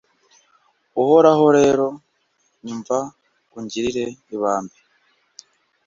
uhoraho rero, nyumva, ungirire ibambe